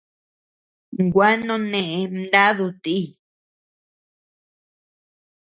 Gua none mnadu ti.